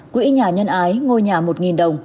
quỹ nhà nhân ái ngôi nhà một đồng